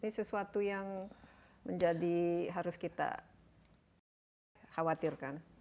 ini sesuatu yang menjadi harus kita khawatirkan